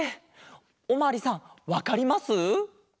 おまわりさんわかります？